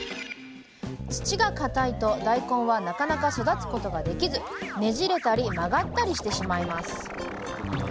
土がかたいと大根はなかなか育つことができずねじれたり曲がったりしてしまいます。